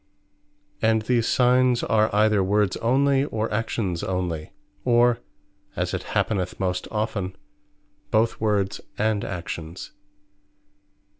And these Signes are either Words onely, or Actions onely; or (as it happeneth most often) both Words and Actions.